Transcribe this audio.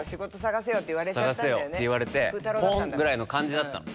「探せよ」って言われて「ポン！」ぐらいの感じだったの。